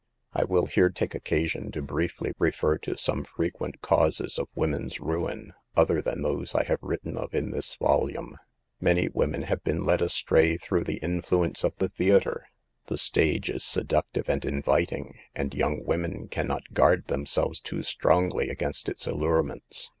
I will here take occasion to briefly refer to some frequent causes of women's ruin, other than those I have written of in this volume. Many women have been led astray through N 9 194 SAVE T3E GIELS. the influence of the theater. The stage is seductive and inviting, and young women can not guard themselves too strongly against its allurements.